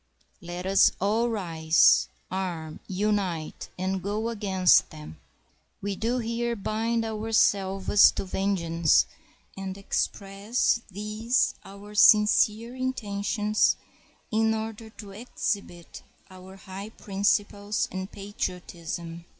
Let us all rise, arm, unite, and go against them. We do here bind ourselves to vengeance, and express these our sincere intentions in order to exhibit our high principles and patriotism.